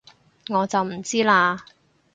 我就唔知喇